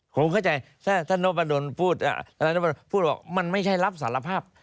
ผมเข้าใจถ้าท่านนพดลพูดว่ามันไม่ใช่รับสารภาพ